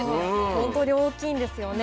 本当に大きいんですよね。